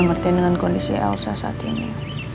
mengerti dengan kondisi elsa saat ini